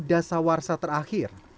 satu dasar warsa terakhir